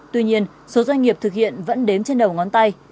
tuy nhiên số doanh nghiệp thực hiện vẫn đếm trên đầu ngón tay